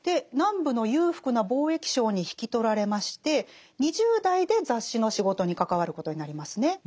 南部の裕福な貿易商に引き取られまして２０代で雑誌の仕事に関わることになりますね。